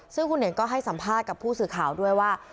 ซึ่งคุณเน่งก็ให้สัมภาษณ์กับผู้สื่อข่าวด้วยว่า